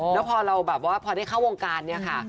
แล้วพอเราแบบว่าพอได้เข้าวงการเนี่ยค่ะ